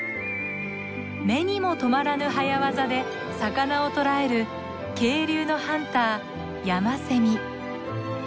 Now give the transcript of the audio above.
目にも留まらぬ早業で魚を捕らえる渓流のハンターヤマセミ。